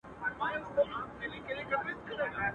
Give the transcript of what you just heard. زما په لستوڼي کي ښامار لوی که.